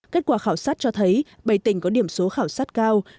kết quả khảo sát cho thấy bảy tỉnh có điểm số khảo sát cao